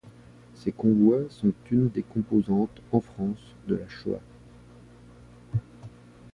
Ces convois sont une des composantes, en France, de la Shoah.